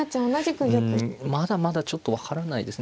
うんまだまだちょっと分からないですね。